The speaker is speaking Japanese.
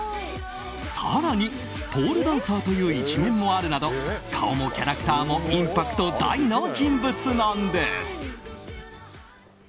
更に、ポールダンサーという一面もあるなど顔もキャラクターもインパクト大の人物なんです。